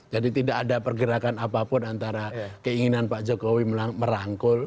jadi tidak ada pergerakan apapun antara keinginan pak jokowi merangkul